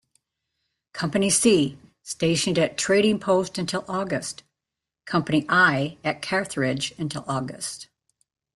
Company C stationed at Trading Post until August; Company I at Carthage until August.